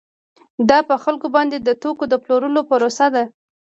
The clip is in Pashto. دا په خلکو باندې د توکو د پلورلو پروسه ده